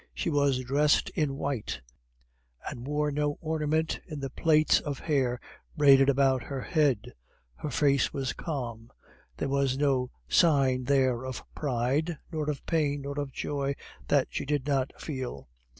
She was dressed in white, and wore no ornament in the plaits of hair braided about her head; her face was calm; there was no sign there of pride, nor of pain, nor of joy that she did not feel.